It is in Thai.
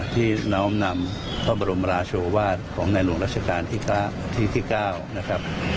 ที่น้องนำพระบรมราชวาดของนายหลวงราชการที่๙นะครับ